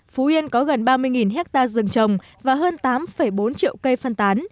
phú yên có gần ba mươi hectare rừng trồng và hơn tám bốn triệu cây phân tán